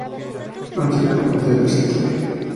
Anteriormente, el St.